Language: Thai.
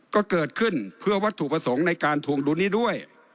ก็เกิดขึ้นเพื่อวัตถุประสงค์ในการทวงดุลนี้ด้วย